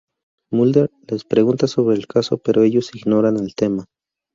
Mulder les pregunta sobre el caso pero ellos ignoran el tema.